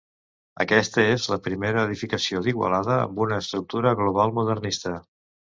Aquesta és la primera edificació d'Igualada amb una estructura global modernista.